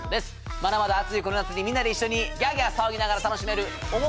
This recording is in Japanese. まだまだ暑いこの夏にみんなで一緒にギャーギャー騒ぎながら楽しめるおも